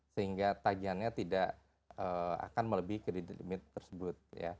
sehingga tagihannya tidak akan melebihi credit limit tersebut